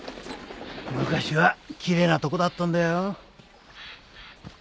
昔はきれいなとこだったんだよ。